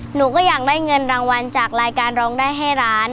หนูก็อยากได้เงินรางวัลจากรายการร้องได้ให้ร้าน